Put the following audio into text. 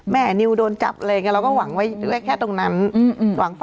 แม่นิวโดนจับแล้วเรากลับถึงแผงตอนนั้น